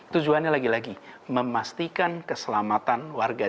tujuannya lagi lagi memastikan keselamatan warga jakarta